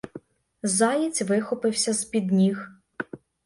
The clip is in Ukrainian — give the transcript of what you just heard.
Заєць вихопився з-під ніг.